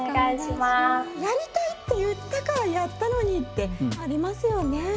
「やりたい」って言ったからやったのにってありますよね。